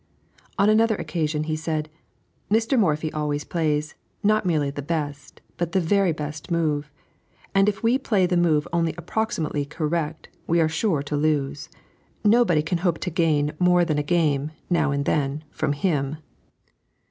On another occasion he said: "Mr. Morphy always plays, not merely the best, but the very best move, and if we play the move only approximatively correct, we are sure to lose. Nobody can hope to gain more than a game, now and then, from him."